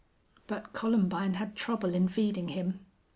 But Columbine had trouble in feeding him.